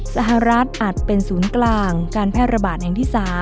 สหรัฐอาจเป็นศูนย์กลางการแพร่ระบาดแห่งที่๓